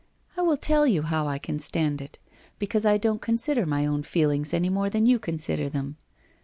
' I will tell you how I can stand it. Because I don't consider my own feelings any more than you consider them.